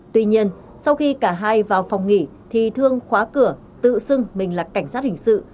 tuy nhiên sau khi cả hai vào phòng nghỉ thì thương khóa cửa tự xưng mình là cảnh sát hình sự